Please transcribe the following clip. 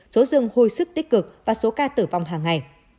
số dường hồi sức tích cực và số ca tử vong hàng ngày